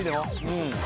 うん。